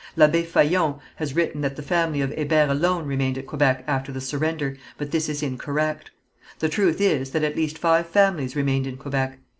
L'Abbé Faillon has written that the family of Hébert alone remained at Quebec after the surrender, but this is incorrect. The truth is that at least five families remained in Quebec.